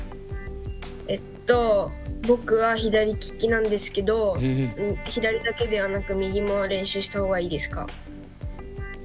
えっと僕は左利きなんですけど左だけではなく右も練習したほうがいいですか？